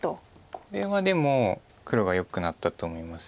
これはでも黒がよくなったと思います。